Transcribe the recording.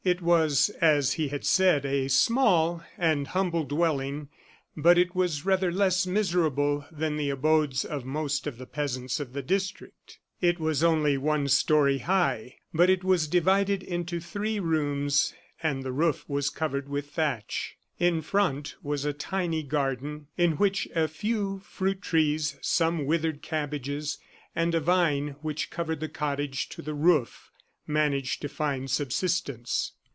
It was, as he had said, a small and humble dwelling, but it was rather less miserable than the abodes of most of the peasants of the district. It was only one story high, but it was divided into three rooms, and the roof was covered with thatch. In front was a tiny garden, in which a few fruit trees, some withered cabbages, and a vine which covered the cottage to the roof, managed to find subsistence.